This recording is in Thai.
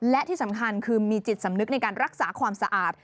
และที่สำคัญคือมีจิตสำนึกในการรักษาความสะอาด